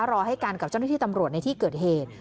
รอให้กันกับเจ้าหน้าที่ตำรวจในที่เกิดเหตุ